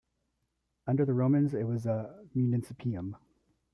Under the Romans it was a "municipium".